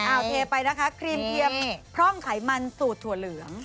เอาเทไปนะคะครีมเทียมพร่องไขมันสูตรถั่วเหลือง